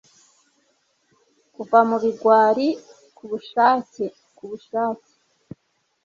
kuva mubigwari kubushake kubushake